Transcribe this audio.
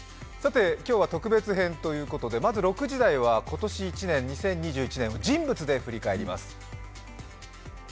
今日は特別編ということで、６時代は今年２０２１年を人物で振り返ります。